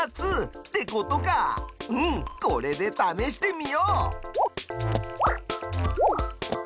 うんこれでためしてみよう！